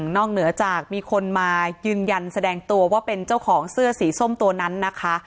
เหนือจากมีคนมายืนยันแสดงตัวว่าเป็นเจ้าของเสื้อสีส้มตัวนั้นนะคะ